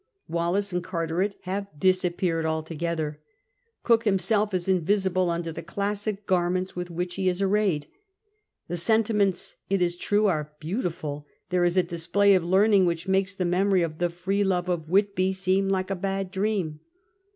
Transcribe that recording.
Wallis and Carteret have disappeared altogether. Cook himself is invisible under the classic garments with which he is arrayed. The sentiments, it is true, are beautiful ; there is a display of learning which makes the memory of the Free Love of Whitby seem like a bad dream.